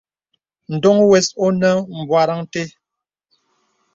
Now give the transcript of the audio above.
Ndoŋ wəs onə bwarəŋ té.